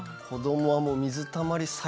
子どもはもう水たまり